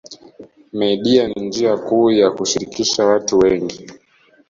Media ni njia kuu ya kushirikisha watu wengi